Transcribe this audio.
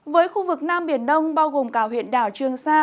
với khu vực nam biển đông bao gồm cả huyện đảo trường sa